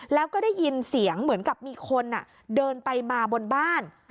แล้วก็ได้ยินเสียงเหมือนกับมีคนเดินไปมาบนบ้าน